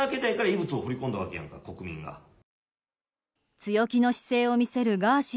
強気の姿勢を見せるガーシー